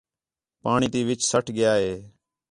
پاݨی تے وِچ سَٹ ڳِیا ہِے